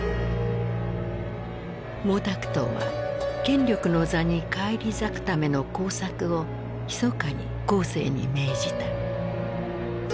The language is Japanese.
毛沢東は権力の座に返り咲くための工作をひそかに江青に命じた。